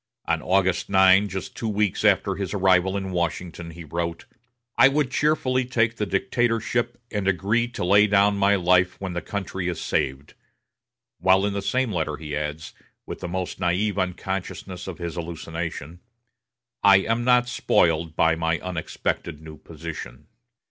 On August 9, just two weeks after his arrival in Washington, he wrote: "I would cheerfully take the dictatorship and agree to lay down my life when the country is saved;" while in the same letter he adds, with the most naïve unconsciousness of his hallucination: "I am not spoiled by my unexpected new position."